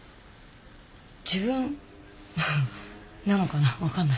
自分ハハハなのかな分かんない。